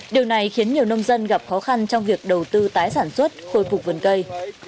điều này khiến nhiều nông dân gặp khó khăn trong việc đầu tư tái sản xuất khôi phục vườn cây